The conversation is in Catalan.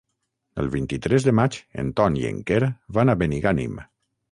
El vint-i-tres de maig en Ton i en Quer van a Benigànim.